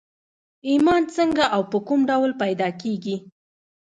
ايمان څنګه او په کوم ډول پيدا کېږي؟